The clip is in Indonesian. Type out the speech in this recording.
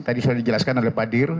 tadi sudah dijelaskan oleh pak dir